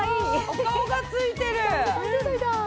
お顔がついてる！